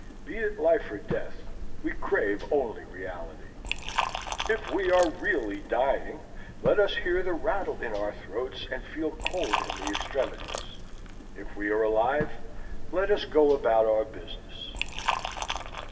Be it life or death, we crave only reality. If we are really dying, let us hear the rattle in our throats and feel cold in the extremities; if we are alive, let us go about our business.